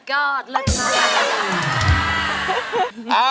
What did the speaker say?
ร้องได้